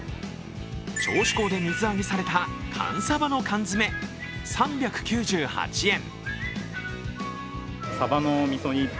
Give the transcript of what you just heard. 銚子港で水揚げされた寒サバの缶詰３９８円。